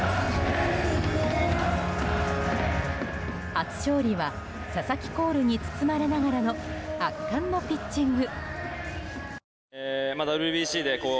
初勝利はササキコールに包まれながらの圧巻のピッチング。